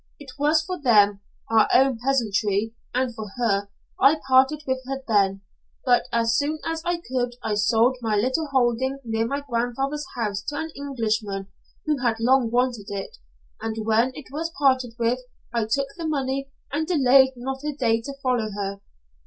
It was for them, our own peasantry, and for her, I parted with her then, but as soon as I could I sold my little holding near my grandfather's house to an Englishman who had long wanted it, and when it was parted with, I took the money and delayed not a day to follow her.